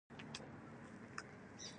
له ډېره درده يې سترګې پټې کړې.